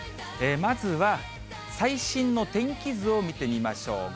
まずは最新の天気図を見てみましょう。